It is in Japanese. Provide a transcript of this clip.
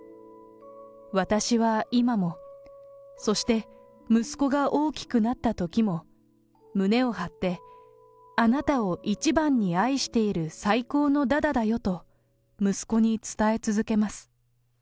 私は今も、そして息子が大きくなったときも、胸を張って、あなたを一番に愛している最高のダダだよと、息子に伝え続けます。